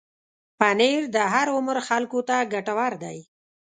پنېر د هر عمر خلکو ته ګټور دی.